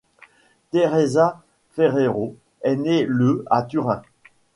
Teresa Ferrero est née le à Turin.